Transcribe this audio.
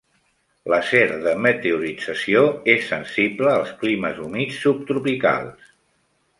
L'acer de meteorització és sensible als climes humits subtropicals.